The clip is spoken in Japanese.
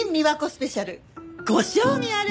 スペシャルご賞味あれ！